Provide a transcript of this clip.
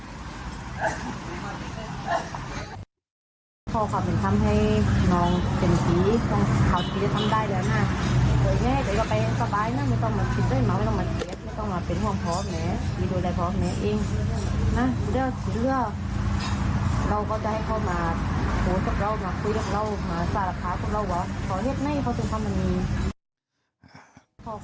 ว่าโหจะเรามาคุยกับเรามาสารภาพกับเราวะขอเรียกหน้าให้เขาจึงทำแบบนี้